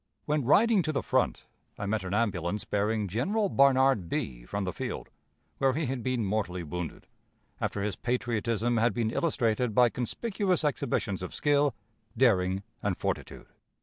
When riding to the front, I met an ambulance bearing General Barnard Bee from the field, where he had been mortally wounded, after his patriotism had been illustrated by conspicuous exhibitions of skill, daring, and fortitude.